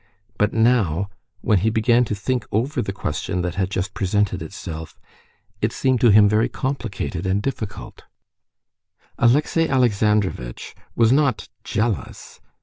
But now, when he began to think over the question that had just presented itself, it seemed to him very complicated and difficult. Alexey Alexandrovitch was not jealous.